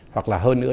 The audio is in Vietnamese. hoặc là hơn nữa